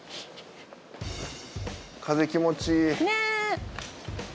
風気持ちいい。ね。